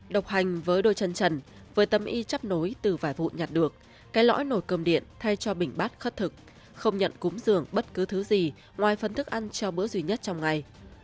đồng hành với đôi chân trần với tâm y chắp nối từ vài vụ nhặt được cái lõi nồi cơm điện thay cho bình bát khất thực không nhận cúng dường bất cứ thứ gì ngoài phân thức ăn cho bữa duy nhất trong ngày